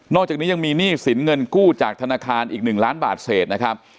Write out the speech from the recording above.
อกจากนี้ยังมีหนี้สินเงินกู้จากธนาคารอีก๑ล้านบาทเศษนะครับ